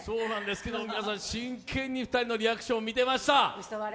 皆さん、真剣に２人のリアクションを見ていました。